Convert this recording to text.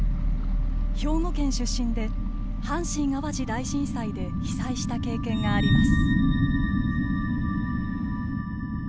兵庫県出身で阪神・淡路大震災で被災した経験があります。